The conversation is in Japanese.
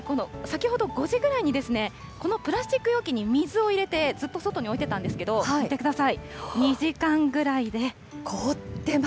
そして先ほど５時ぐらいにこのプラスチック容器に水を入れてずっと外に置いてたんですけれども、見てください。